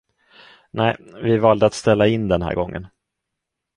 Nä, vi valde att ställa in den här gången.